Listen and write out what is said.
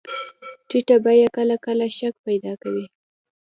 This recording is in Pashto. ټیټه بیه کله کله شک پیدا کوي.